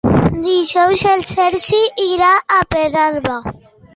Dijous en Sergi irà a Pedralba.